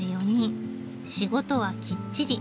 仕事はきっちり。